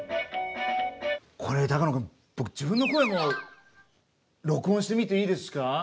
これ高野君僕自分の声も録音してみていいですか？